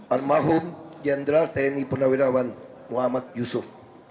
anmahum jenderal tni penerawiran muhammad yusuf